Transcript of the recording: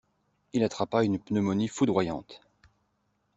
Il attrapa une pneumonie foudroyante.